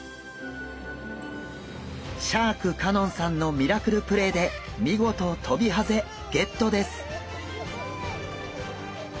シャーク香音さんのミラクルプレーで見事トビハゼゲットです。